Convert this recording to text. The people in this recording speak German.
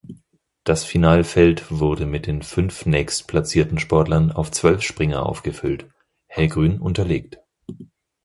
Das Finalfeld wurde mit den fünf nächstplatzierten Sportlern auf zwölf Springer aufgefüllt (hellgrün unterlegt).